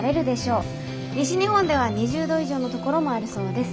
西日本では２０度以上の所もありそうです。